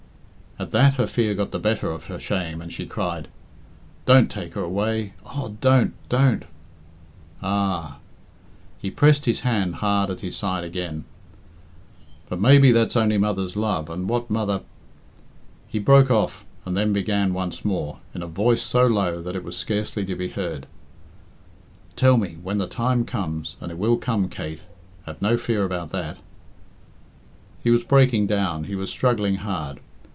At that her fear got the better of her shame, and she cried, "Don't take her away. Oh, don't, don't!" "Ah!" He pressed his hand hard at his side again. "But maybe that's only mother's love, and what mother " He broke off and then began once more, in a voice so low that it was scarcely to be heard. "Tell me, when the time comes and it will come, Kate, have no fear about that " He was breaking down, he was struggling hard.